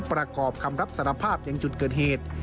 ประกอบคำรับสารภาพอย่างจุดเกิดเหตุ